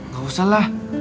gak usah lah